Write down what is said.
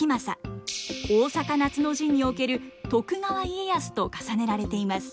大坂夏の陣における徳川家康と重ねられています。